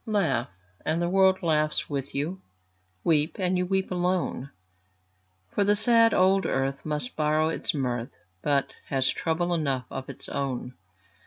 Laugh, and the world laughs with you; Weep, and you weep alone; For the sad old earth must borrow its mirth, But has trouble enough of its own.